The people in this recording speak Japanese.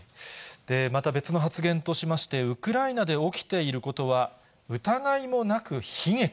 また別の発言としまして、ウクライナで起きていることは、疑いもなく悲劇。